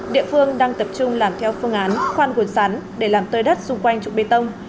địa phương đang tập trung làm theo phương án khoan cột sắn để làm tơi đất xung quanh trụ bê tông